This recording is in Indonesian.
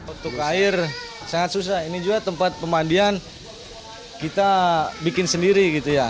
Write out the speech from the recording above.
untuk air sangat susah ini juga tempat pemandian kita bikin sendiri gitu ya